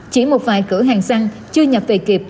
chỉ một vài cửa hàng xăng chưa nhập về kịp